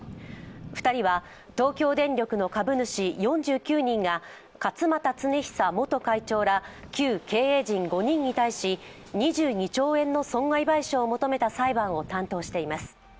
２人は東京電力の株主４９人が勝俣恒久元会長ら旧経営陣５人に対し、２２兆円の損害賠償を求めた裁判を担当しています。